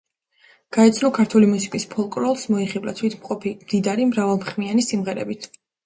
გაეცნო ქართული მუსიკის ფოლკლორს, მოიხიბლა თვითმყოფი, მდიდარი, მრავალხმიანი სიმღერებით.